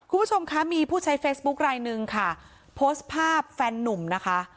คุณผู้ชมคะมีผู้ใช้เฟซบุ๊คลายหนึ่งค่ะโพสต์ภาพแฟนนุ่มนะคะ